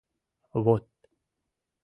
— Вот...